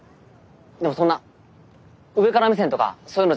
でもそんな上から目線とかそういうのじゃ全然なくて。